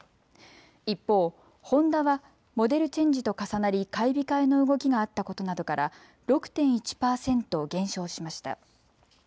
一方、ホンダはモデルチェンジと重なり買い控えの動きがあったことなどから６．１％減少しました。